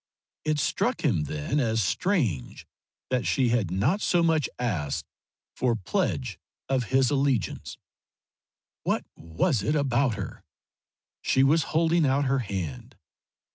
It struck him then as strange that she had not so much as asked for pledge of his allegiance. What was it about her ? She was holding out her hand.